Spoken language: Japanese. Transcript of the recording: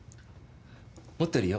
持ってるよ。